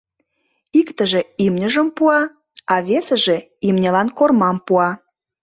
Икте имньыжым пуа, а весыже имньылан кормам пуа.